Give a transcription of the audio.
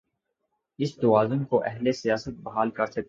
اس توازن کو اہل سیاست بحال کر سکتے ہیں۔